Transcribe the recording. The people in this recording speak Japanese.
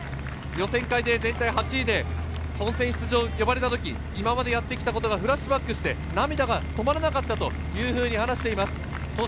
予選会で全体８位で本戦出場に呼ばれた時、今までやってきたことがフラッシュバックして涙が止まらなかったと話しています。